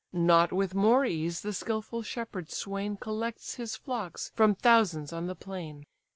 Not with more ease the skilful shepherd swain Collects his flocks from thousands on the plain.